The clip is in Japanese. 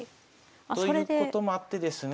ということもあってですね